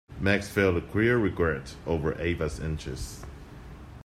Max felt a queer regret over Ava’s inches.